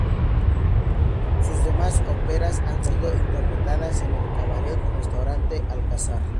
Sus demás óperas han sido interpretadas en el cabaret restaurante Alcázar.